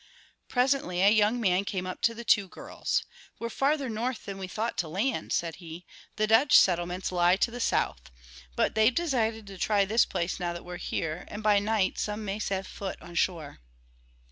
Presently a young man came up to the two girls. "We're farther north than we thought to land," said he. "The Dutch settlements lie to the south. But they've decided to try this place now we're here, and by night some may set foot on shore."